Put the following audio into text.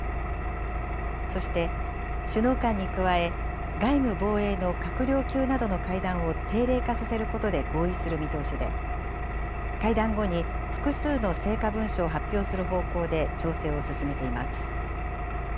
そして、首脳間に加え、外務・防衛の閣僚級などの会談を定例化させることで合意する見通しで、会談後に複数の成果文書を発表する方向で調整を進めています。